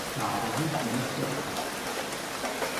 Má rovněž německé občanství.